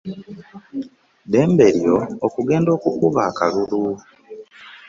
Ddembe lyo okugenda okukuba akalulu.